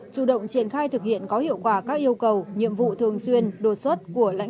chủ động triển khai thực hiện có hiệu quả các yêu cầu nhiệm vụ thường xuyên đột xuất